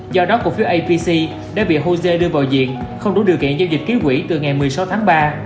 do đó cổ phiếu abc đã bị hồ sê đưa vào diện không đủ điều kiện giao dịch ký quỷ từ ngày một mươi sáu tháng ba